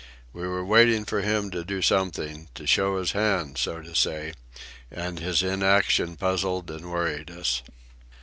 We were waiting for him to do something, to show his hand, so to say, and his inaction puzzled and worried us.